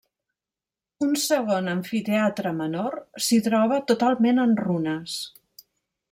Un segon amfiteatre menor, s'hi troba totalment en runes.